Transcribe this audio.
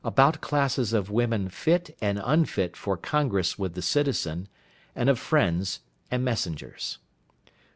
About classes of Women fit and unfit for Congress with the Citizen, and of Friends, and Messengers.